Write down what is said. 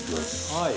はい。